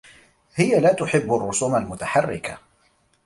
هي لا تحبّ الرّسوم المتحرّكة.